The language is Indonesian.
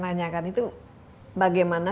tanyakan itu bagaimana